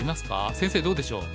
先生どうでしょう。